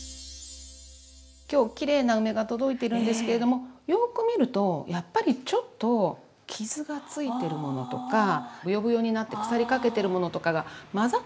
今日きれいな梅が届いてるんですけれどもよく見るとやっぱりちょっと傷がついてるものとかブヨブヨになって腐りかけてるものとかがまざってることがあるんです。